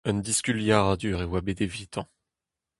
Un diskuliadur e oa bet evitañ.